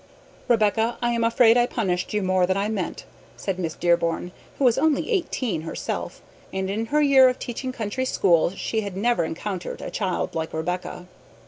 "Rebecca, I am afraid I punished you more than I meant," said Miss Dearborn, who was only eighteen herself, and in her year of teaching country schools had never encountered a child like Rebecca.